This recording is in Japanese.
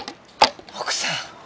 奥さん。